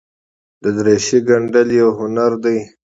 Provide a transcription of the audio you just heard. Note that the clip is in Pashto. دریشي ګنډل یوه هنر دی.